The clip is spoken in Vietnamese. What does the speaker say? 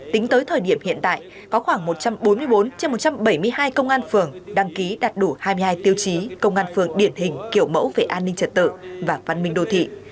tính tới thời điểm hiện tại có khoảng một trăm bốn mươi bốn trên một trăm bảy mươi hai công an phường đăng ký đạt đủ hai mươi hai tiêu chí công an phường điển hình kiểu mẫu về an ninh trật tự và văn minh đô thị